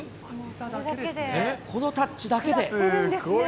このタッチだけで。